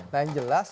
nah yang jelas